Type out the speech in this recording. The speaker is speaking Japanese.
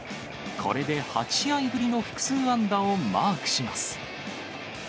これで８試合ぶりの複数安打をマークします。